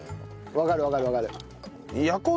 わかるわかるわかる。